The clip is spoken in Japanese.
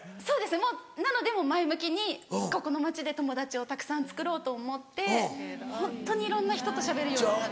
もうなのでもう前向きにここの町で友達をたくさんつくろうと思ってホントにいろんな人としゃべるようになって。